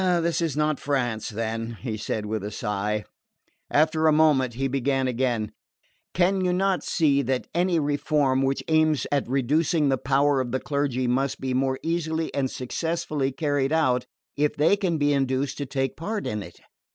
"This is not France, then," he said with a sigh. After a moment he began again: "Can you not see that any reform which aims at reducing the power of the clergy must be more easily and successfully carried out if they can be induced to take part in it?